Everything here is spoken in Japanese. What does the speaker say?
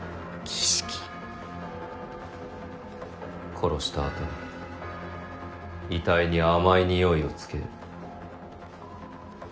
殺したあとに遺体に甘い匂いをつける。